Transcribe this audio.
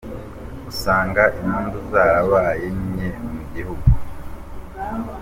usanga impundu zarabaye nke mu gihugu.